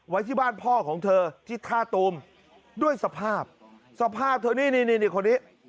ไว้ที่บ้านพ่อของเธอที่ท่าตูมด้วยสภาพสภาพเธอนี่นี่คนนี้